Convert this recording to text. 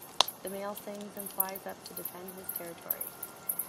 The male sings and flies up to defend his territory.